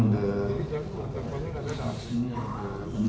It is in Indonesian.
jadi jawabannya nggak ada